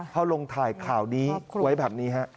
เขาลงถ่ายข่าวนี้ไว้แบบนี้ฮะ